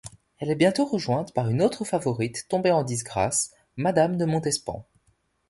Elle est bientôt rejointe par une autre favorite tombée en disgrâce, Madame de Montespan.